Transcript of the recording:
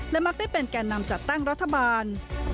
และมักได้เป็นแก่นำจัดตั้งรัฐบาล